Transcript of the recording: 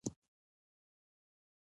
غلام محمدخان اوازې خپرولې.